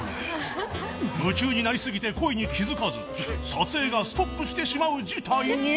［夢中になり過ぎて声に気付かず撮影がストップしてしまう事態に］